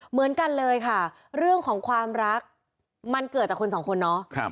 เหมือนกันเลยค่ะเรื่องของความรักมันเกิดจากคนสองคนเนาะ